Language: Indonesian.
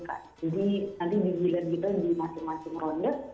jadi nanti di bilet kita di masing masing ronde